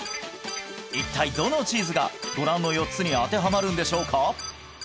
一体どのチーズがご覧の４つに当てはまるんでしょうか？